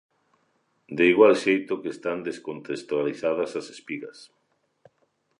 De igual xeito que están descontextualizadas as espigas.